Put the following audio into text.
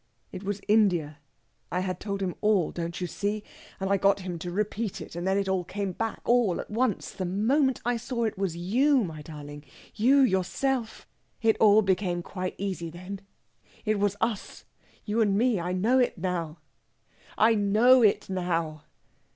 It was India. I had told him all, don't you see? And I got him to repeat it, and then it all came back all at once, the moment I saw it was you, my darling you yourself! It all became quite easy then. It was us you and me! I know it now I know it now!"